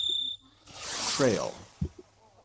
Trail.